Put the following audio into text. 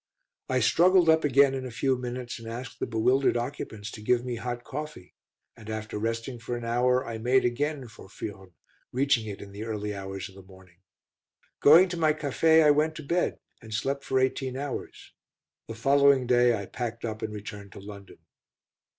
I struggled up again in a few minutes, and asked the bewildered occupants to give me hot coffee, and after resting for an hour, I made again for Furnes reaching it in the early hours of the morning. Going to my café, I went to bed, and slept for eighteen hours; the following day I packed up and returned to London.